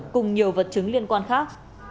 cùng nhiều vật chứng liên quan khác